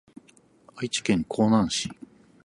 愛知県江南市